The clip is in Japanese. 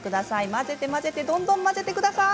混ぜて混ぜてどんどん混ぜて下さい！